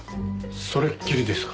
それっきりですか？